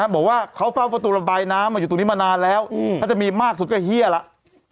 บอกว่าเขาเฝ้าประตูระบายน้ำมาอยู่ตรงนี้มานานแล้วถ้าจะมีมากสุดก็เฮียแล้ว